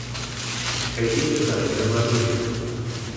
Er diente dann in der Marine.